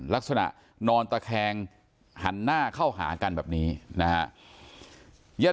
ลักษณะนอนตะแคงหันหน้าเข้าหากันแบบนี้นะฮะ